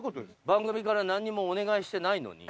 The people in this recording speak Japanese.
番組から何にもお願いしてないのに。